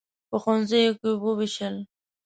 په ښوونځیو کې ووېشل.